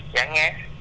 dạ anh nghe